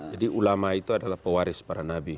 jadi ulama itu adalah pewaris para nabi